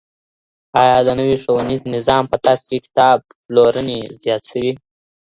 آیا د نوي ښوونیز نظام په ترڅ کي کتاب پلورنې زیاتې سوي؟